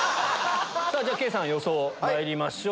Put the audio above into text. じゃ圭さん予想まいりましょう。